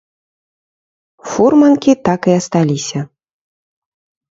Фурманкі так і асталіся.